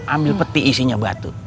ambil peti isinya batu